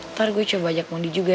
ntar gue coba ajak mandi juga ya